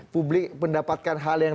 publik mendapatkan hal yang